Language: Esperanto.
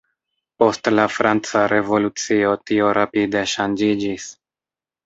Post la Franca Revolucio tio rapide ŝanĝiĝis.